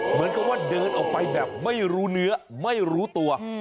เหมือนกับว่าเดินออกไปแบบไม่รู้เนื้อไม่รู้ตัว